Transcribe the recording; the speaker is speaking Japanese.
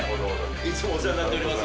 いつもお世話になっております。